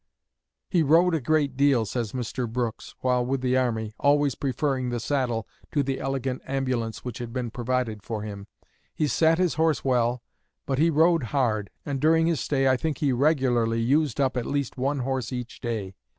"He rode a great deal," says Mr. Brooks, "while with the army, always preferring the saddle to the elegant ambulance which had been provided for him. He sat his horse well, but he rode hard, and during his stay I think he regularly used up at least one horse each day.